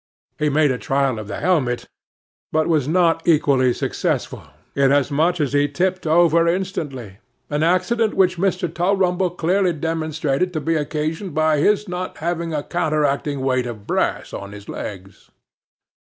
He made a trial of the helmet, but was not equally successful, inasmuch as he tipped over instantly,—an accident which Mr. Tulrumble clearly demonstrated to be occasioned by his not having a counteracting weight of brass on his legs.